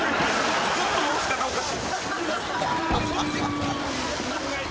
ずっと下ろし方おかしい。